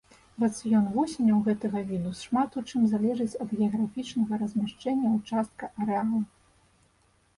Рацыён вусеняў гэтага віду шмат у чым залежыць ад геаграфічнага размяшчэння ўчастка арэала.